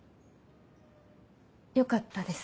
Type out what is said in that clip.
よかったです。